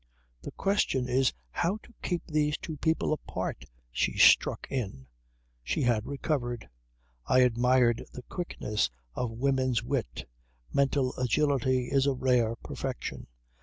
"The question is how to keep these two people apart," she struck in. She had recovered. I admired the quickness of women's wit. Mental agility is a rare perfection.